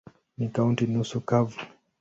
Ni kaunti nusu kavu.